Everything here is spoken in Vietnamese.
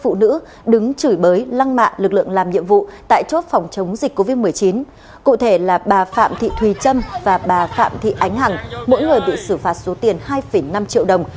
phụ nữ đứng chửi bới lăng mạ lực lượng làm nhiệm vụ tại chốt phòng chống dịch covid một mươi chín cụ thể là bà phạm thị thùy trâm và bà phạm thị ánh hằng mỗi người bị xử phạt số tiền hai năm triệu đồng